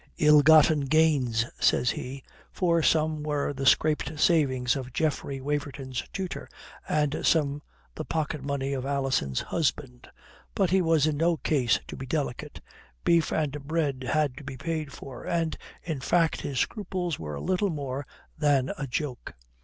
"Ill gotten gains," says he, for some were the scraped savings of Geoffrey Waverton's tutor and some the pocket money of Alison's husband. But he was in no case to be delicate. Beef and bread had to be paid for, and, in fact, his scruples were little more than a joke.